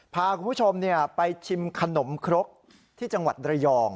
พาคุณผู้ชมไปชิมขนมครกที่จังหวัดระยอง